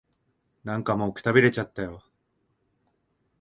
なんかもう、くたびれちゃったよ。